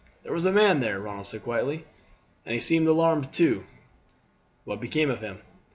"There was a man there," Ronald said quietly, "and he seemed alarmed too." "What became of him?"